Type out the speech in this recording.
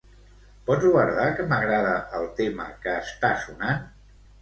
Pots guardar que m'agrada el tema que està sonant?